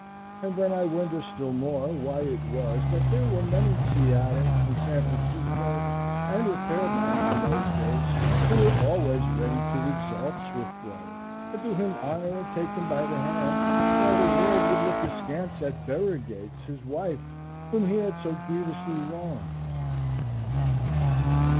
And then I wonder still more why it was that there were men in Seattle, in San Francisco and in Fairbanks in those days who were always ready to exalt Swiftwater and do him honor and take him by the hand, while the world would look askance at Bera Gates, his wife, whom he had so grieviously wronged.